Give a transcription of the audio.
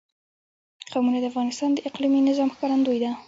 قومونه د افغانستان د اقلیمي نظام ښکارندوی ده.